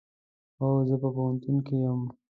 هو، زه په پوهنتون کې یم